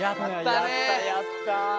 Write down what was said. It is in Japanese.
やったやった。